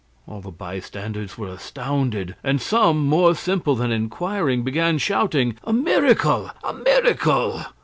All the bystanders were astounded, and some, more simple than inquiring, began shouting, "A miracle, a miracle!"